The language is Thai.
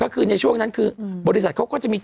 อึกอึกอึกอึกอึกอึก